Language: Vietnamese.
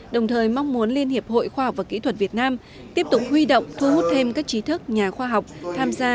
đồng thời mong muốn liên hiệp hội khoa học và kỹ thuật việt nam tiếp tục huy động thu hút thêm các trí thức nhà khoa học tham gia